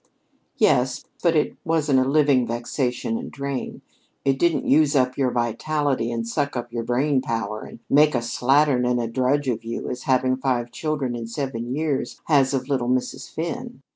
"Yes, but it wasn't a living vexation and drain. It didn't use up your vitality and suck up your brain power and make a slattern and a drudge of you as having five children in seven years has of little Mrs. Finn.